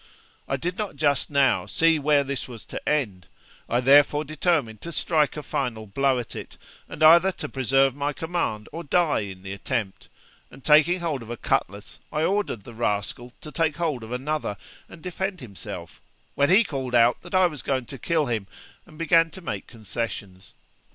I did not just now see where this was to end; I therefore determined to strike a final blow at it, and either to preserve my command or die in the attempt; and taking hold of a cutlass, I ordered the rascal to take hold of another and defend himself, when he called out that I was going to kill him, and began to make concessions.